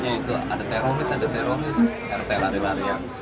atau ada teroris ada teroris rt lari lari